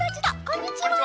こんにちは！